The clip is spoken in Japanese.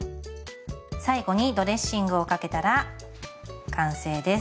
最後にドレッシングをかけたら完成です。